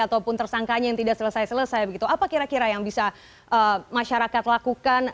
ataupun tersangkanya yang tidak selesai selesai begitu apa kira kira yang bisa masyarakat lakukan